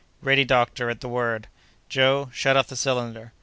"Ready, doctor, at the word." "Joe, shut off the cylinder!"